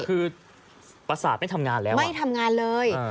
คือประสาทไม่ทำงานแล้วไม่ทำงานเลย